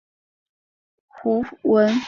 宁有子胡虔。